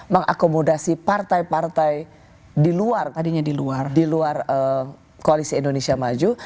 mengakomodasi partai partai di luar koalisi indonesia maju